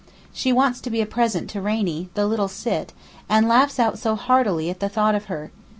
She wants to be a present to Rainie, the little Sitt, and laughs out so heartily at the thought of her.